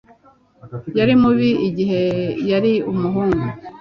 Yari mubi igihe yari umuhungu